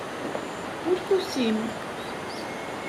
Ur tusim.